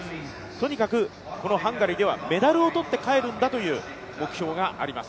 とにかくこのハンガリーではメダルを取って帰るんだという目標があります。